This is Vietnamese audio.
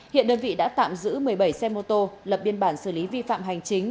hiện đơn vị đã tạm giữ một mươi bảy xe mô tô lập biên bản xử lý vi phạm hành chính